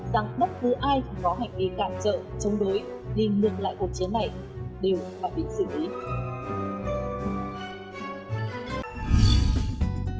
rằng đất nước ai có hành vi cản trợ chống đối liên lược lại cuộc chiến này đều phải bị xử lý